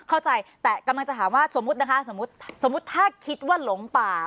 เข้าใจแต่กำลังจะถามว่าสมมุตินะคะสมมุติสมมุติถ้าคิดว่าหลงป่า